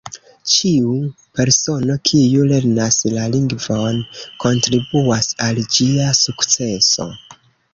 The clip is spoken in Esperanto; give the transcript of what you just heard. Ĉiu persono, kiu lernas la lingvon, kontribuas al ĝia sukceso.